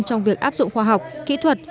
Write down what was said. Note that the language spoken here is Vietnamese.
trong việc áp dụng khoa học kỹ thuật